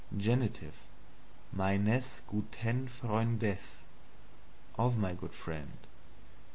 Genitives MeinES GutEN FreundES, of my good friend.